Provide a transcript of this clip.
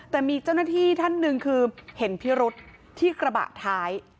แต่มีเจ้าหน้าที่ท่านหนึ่งคือเห็นพิรุษที่กระบะท้าย